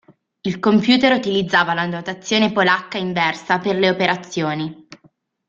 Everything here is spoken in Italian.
Il computer utilizzava la notazione polacca inversa per le operazioni.